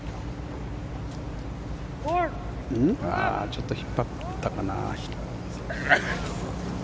ちょっと引っ張ったかな。